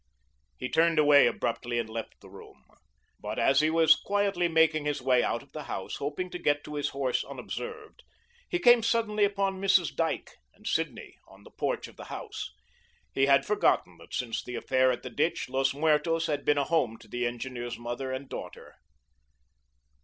He turned away abruptly and left the room. But as he was quietly making his way out of the house, hoping to get to his horse unobserved, he came suddenly upon Mrs. Dyke and Sidney on the porch of the house. He had forgotten that since the affair at the ditch, Los Muertos had been a home to the engineer's mother and daughter.